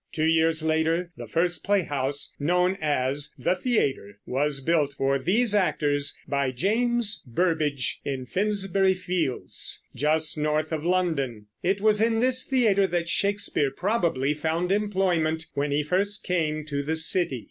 Two years later the first playhouse, known as "The Theater," was built for these actors by James Burbage in Finsbury Fields, just north of London. It was in this theater that Shakespeare probably found employment when he first came to the city.